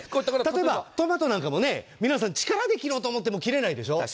例えば、トマトなんかも皆さん力で切ろうと思っても切れないでしょ。